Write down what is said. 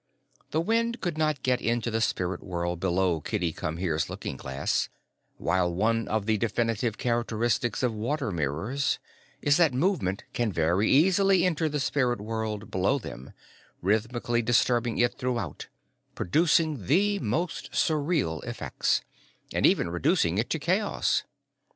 The wind could not get into the spirit world below Kitty Come Here's looking glass, while one of the definitive characteristics of water mirrors is that movement can very easily enter the spirit world below them, rhythmically disturbing it throughout, producing the most surreal effects, and even reducing it to chaos.